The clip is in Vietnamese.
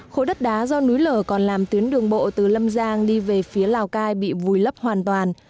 khối đất đá do núi lở còn làm tuyến đường bộ từ lâm giang đi về phía lào cai bị vùi lấp hoàn toàn